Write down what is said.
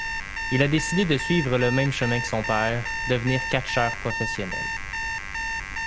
Il a décidé de suivre le même chemin que son père, devenir catcheur professionnel.